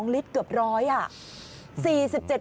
๒ลิตรเกือบ๑๐๐บาท